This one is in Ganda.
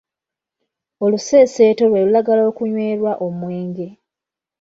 Oluseeseeto lwe lulagala okunywerwa omwenge.